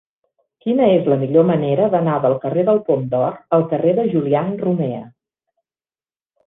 Quina és la millor manera d'anar del carrer del Pom d'Or al carrer de Julián Romea?